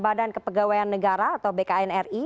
badan kepegawaian negara atau bknri